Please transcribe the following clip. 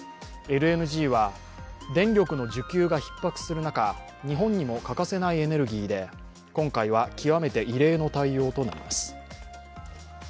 ＬＮＧは電力の需給がひっ迫する中、日本にも欠かせないエネルギーで、今回は極めて異例の対応となります。